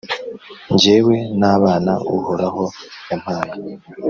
Jyewe n’abana Uhoraho yampaye,